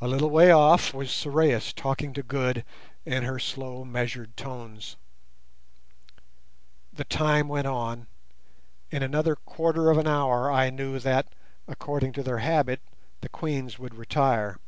A little way off was Sorais talking to Good in her slow measured tones. The time went on; in another quarter of an hour I knew that, according to their habit, the Queens would retire.